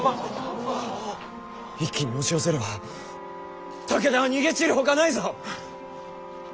一気に押し寄せれば武田は逃げ散るほかないぞ！